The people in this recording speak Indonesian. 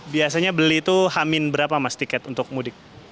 biasanya beli itu hamin berapa mas tiket untuk mudik